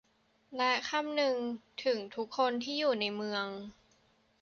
และคำนึงถึงทุกคนที่อยู่ในเมือง